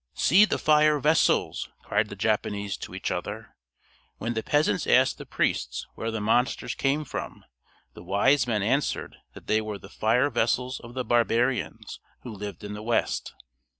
"See the fire vessels!" cried the Japanese to each other. When the peasants asked the priests where the monsters came from the wise men answered that they were the fire vessels of the barbarians who lived in the West.